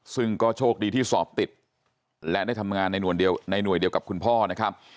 ซึ่งก็โชคดีที่สอบติดและได้ทำงานในหน่วยเดียวกับคุณพ่อนะครับ